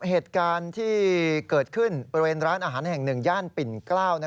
เหตุการณ์ที่เกิดขึ้นบริเวณร้านอาหารแห่งหนึ่งย่านปิ่นเกล้า